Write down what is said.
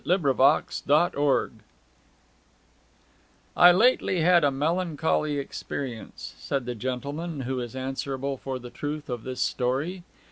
ENTER A DRAGOON I lately had a melancholy experience (said the gentleman who is answerable for the truth of this story).